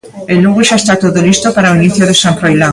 En Lugo xa está todo listo para o inicio do San Froilán.